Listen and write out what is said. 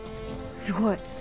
すごい。